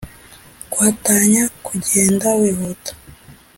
kwatanya: kugenda wihuta